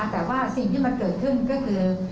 แต่ว่าสิ่งที่มันเกิดขึ้นก็คือ